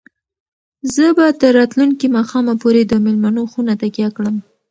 زه به تر راتلونکي ماښامه پورې د مېلمنو خونه تکیه کړم.